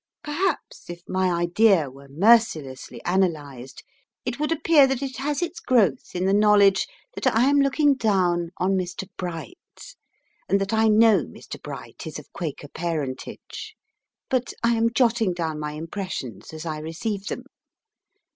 Perhaps if my idea were mercilessly analysed it would appear that it has its growth in the knowledge that I am looking down on Mr. Bright, and that I know Mr. Bright is of Quaker parentage. But I am jotting down my impressions as I receive them.